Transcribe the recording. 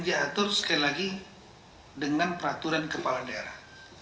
diatur sekali lagi dengan peraturan kepala daerah